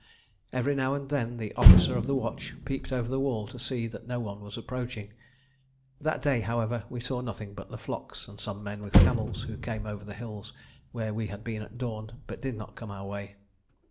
Every now and then the officer of the watch peeped over the wall to see that no one was approaching. That day, however, we saw nothing but the flocks and some men with camels, who came over the hills where we had been at dawn but did not come our way.